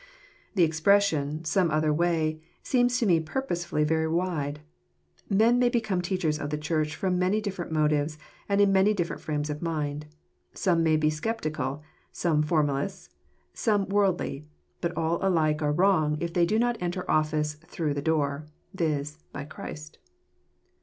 The expression, '' some other way," seems to me purposely very wide. Men may become teachers of the Church ft om many difibrent motives, and in many different frames of mind. Some may be sceptical, some formalists, some worldly ; but all alike are wrong, if they do not enter office " through the Door :" viz., by Christ.